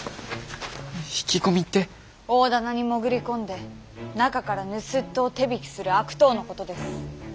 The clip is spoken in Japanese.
大店に潜り込んで中から盗人を手引きする悪党のことです。